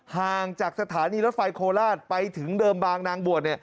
ห่างจากสถานีรถไฟโคราชไปถึงเดิมบางนางบวช